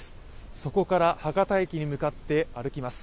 そこから博多駅に向かって歩きます。